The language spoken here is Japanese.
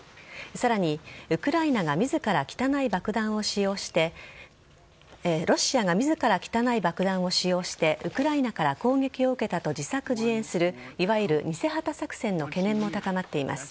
さらにロシアが自ら汚い爆弾を使用してウクライナから攻撃を受けたと自作自演するいわゆる偽旗作戦の懸念も高まっています。